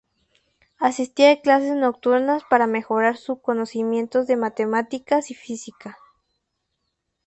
Asistía a clases nocturnas para mejorar sus conocimientos de matemáticas y física.